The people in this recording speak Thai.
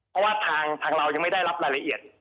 เพราะว่าทางเรายังไม่ได้รับรายละเอียด